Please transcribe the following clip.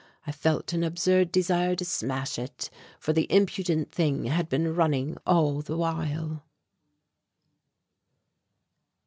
I felt an absurd desire to smash it, for the impudent thing had been running all the while.